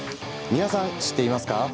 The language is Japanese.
皆さん、知ってますか？